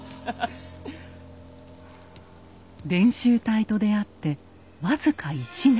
伝習隊と出会って僅か１年。